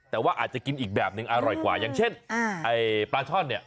แต่ว่าอาจจะกินอีกแบบนึงอร่อยกว่าอย่างเช่นไอ้ปลาช่อนเนี่ย